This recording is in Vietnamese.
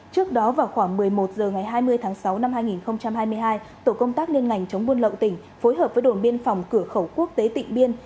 trước đó vào khoảng một mươi một h ngày hai mươi tháng sáu năm hai nghìn hai mươi hai tổ công tác liên ngành chống buôn lậu tỉnh phối hợp với đồn biên phòng cửa khẩu quốc tế tịnh biên